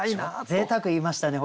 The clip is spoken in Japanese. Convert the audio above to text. ぜいたく言いましたね。